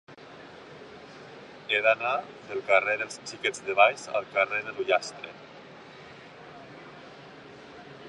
He d'anar del carrer dels Xiquets de Valls al carrer de l'Ullastre.